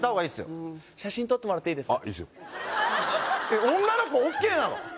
えっ女の子ＯＫなの？